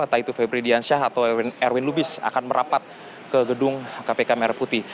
entah itu febri diansyah atau erwin lubis akan merapat ke gedung kpk merah putih